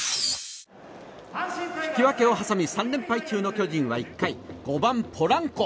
引き分けを挟み３連敗中の巨人は１回５番、ポランコ。